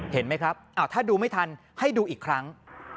เห็นไหมครับถ้าดูไม่ทันให้ดูอีกครั้ง